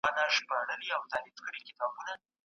له حجرو څخه به ږغ د ټنګ ټکور وي